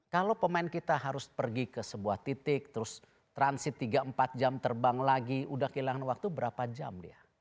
kalau pemain kita harus pergi ke sebuah titik terus transit tiga empat jam terbang lagi udah kehilangan waktu berapa jam dia